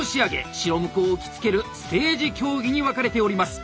白無垢を着付ける「ステージ競技」に分かれております。